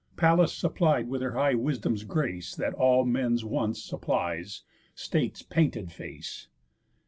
Pallas supplied with her high wisdom's grace, That all men's wants supplies, State's painted face.